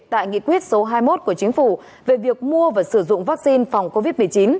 tại nghị quyết số hai mươi một của chính phủ về việc mua và sử dụng vaccine phòng covid một mươi chín